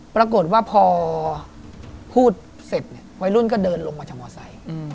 ปรากฏว่าพอพูดเสร็จเนี่ยวัยรุ่นก็เดินลงมาจากมอไซค์